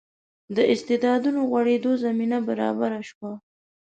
د استعدادونو غوړېدو زمینه برابره شوه.